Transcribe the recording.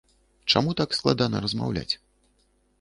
Чаму так складана размаўляць?